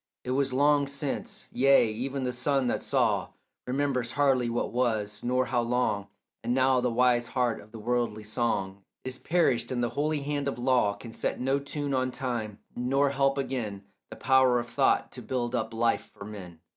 It was long since: yea, even the sun that saw Remembers hardly what was, nor how long. And now the wise heart of the worldly song Is perished, and the holy hand of law Can set no tune on time, nor help again The power of thought to build up life for men.